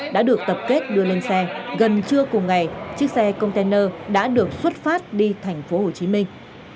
đã được tập kết đưa lên xe gần trưa cùng ngày chiếc xe container đã được xuất phát đi thành phố hồ chí minh